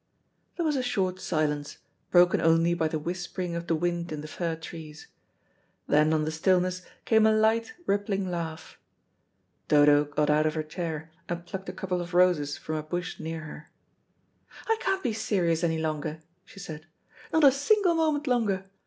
There was a short silence, broken only by the whispering of the wind in the fir trees. Then on the stillness came a light, rippling laugh. Dodo got out of her chair, and plucked a couple of roses from a bush near her. "I can't be serious any longer," she said; "not a single moment longer.